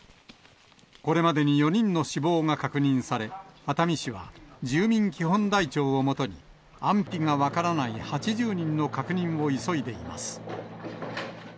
これまでに４人の死亡が確認され、熱海市は住民基本台帳をもとに、安否が分からない８０人の確認を急いでいます。